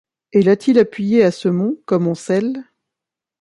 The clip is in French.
Et l’a-t-il appuyée à ce mont, comme on scelle